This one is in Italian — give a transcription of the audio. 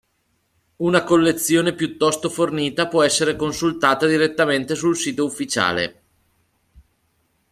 Una collezione piuttosto fornita può essere consultata direttamente sul sito ufficiale.